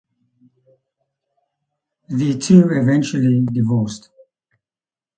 The two eventually divorced.